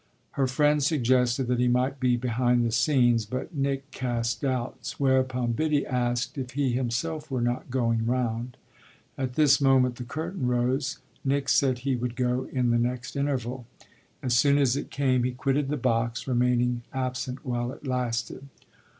Her friend suggested that he might be behind the scenes, but Nick cast doubts; whereupon Biddy asked if he himself were not going round. At this moment the curtain rose; Nick said he would go in the next interval. As soon as it came he quitted the box, remaining absent while it lasted.